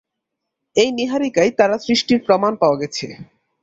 এই নীহারিকায় তারা সৃষ্টির প্রমাণ পাওয়া গেছে।